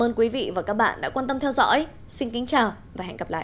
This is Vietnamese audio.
ơn quý vị và các bạn đã quan tâm theo dõi xin kính chào và hẹn gặp lại